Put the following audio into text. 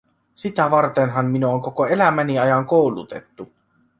Sitä vartenhan minua on koko elämäni ajan koulutettu.